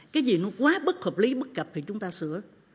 cái gì nó quá bất hợp lý bất cập thì chúng ta sửa